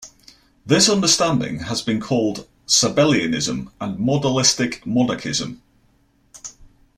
This understanding has been called Sabellianism and modalistic monarchianism.